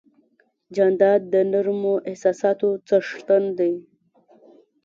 جانداد د نرمو احساساتو څښتن دی.